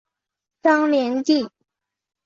张联第。